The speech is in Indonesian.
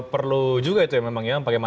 perlu juga itu ya memang ya